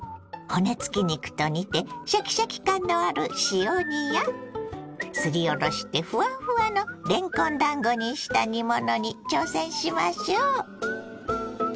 骨付き肉と煮てシャキシャキ感のある塩煮やすりおろしてフワフワのれんこんだんごにした煮物に挑戦しましょう。